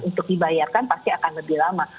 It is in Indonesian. untuk dibayarkan pasti akan lebih lama